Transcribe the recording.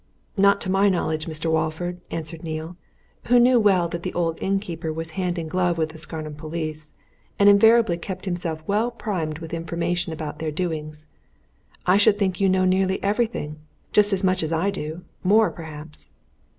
"Not to my knowledge, Mr. Walford," answered Neale, who knew well that the old innkeeper was hand in glove with the Scarnham police, and invariably kept himself well primed with information about their doings. "I should think you know nearly everything just as much as I do more, perhaps."